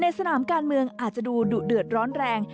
สนามการเมืองอาจจะดูดุเดือดร้อนแรง